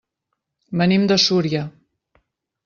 Venim de Súria.